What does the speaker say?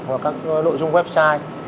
hoặc các nội dung website